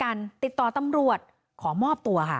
คุยกับตำรวจเนี่ยคุยกับตำรวจเนี่ย